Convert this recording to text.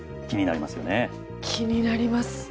気になります。